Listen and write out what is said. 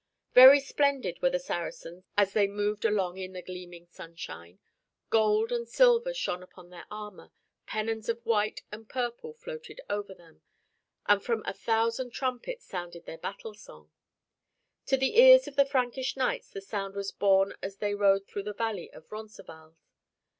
Very splendid were the Saracens as they moved along in the gleaming sunshine. Gold and silver shone upon their armor, pennons of white and purple floated over them, and from a thousand trumpets sounded their battle song. To the ears of the Frankish knights the sound was borne as they rode through the valley of Roncesvalles.